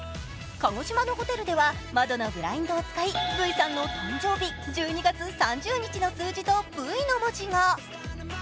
鹿児島のホテルでは窓のブラインドを使いＶさんの誕生日、１２月３０日の数字と「Ｖ」の文字が。